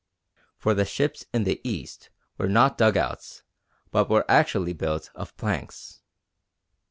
For the ships in the East were not dug outs, but were actually built of planks.